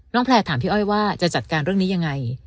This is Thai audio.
แพลร์ถามพี่อ้อยว่าจะจัดการเรื่องนี้ยังไง